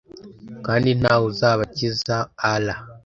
kandi nta wuzabakiza Allah